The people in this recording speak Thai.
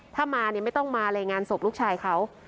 ถ้ามาเนี่ยไม่ต้องมาเลยงานศพลูกชายเขา